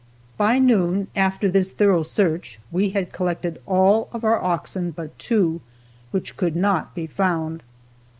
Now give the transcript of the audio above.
By noon, after this thorough search, we had collected all of our oxen but two, which could not be found.